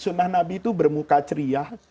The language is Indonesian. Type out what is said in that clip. sunnah nabi itu bermuka ceria